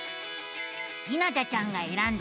ひなたちゃんがえらんだ